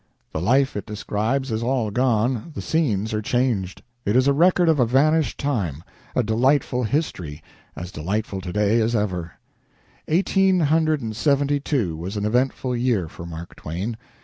The life it describes is all gone the scenes are changed. It is a record of a vanished time a delightful history as delightful to day as ever. Eighteen hundred and seventy two was an eventful year for Mark Twain.